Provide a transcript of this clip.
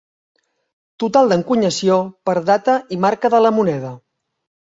Total d'encunyació per data i marca de la moneda.